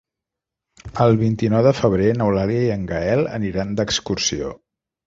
El vint-i-nou de febrer n'Eulàlia i en Gaël aniran d'excursió.